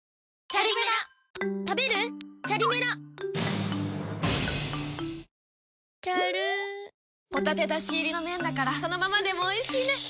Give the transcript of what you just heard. チャルホタテだし入りの麺だからそのままでもおいしいねチャリメラは！